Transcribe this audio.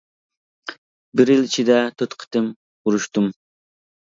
بىر يىل ئىچىدە تۆت قېتىم ئۇرۇشتۇم.